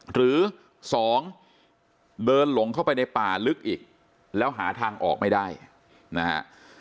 หรือ๒เดินหลงเข้าไปในป่าลึกอีกแล้วหาทางออกไม่ได้นะฮะ